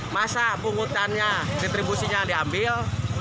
masa pengutannya retribusinya diambil